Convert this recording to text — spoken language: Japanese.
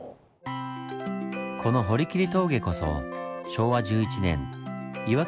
この堀切峠こそ昭和１１年岩切